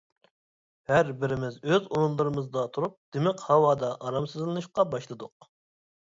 ھەر بىرىمىز ئۆز ئورۇنلىرىمىزدا تۇرۇپ دىمىق ھاۋادا ئارامسىزلىنىشقا باشلىدۇق.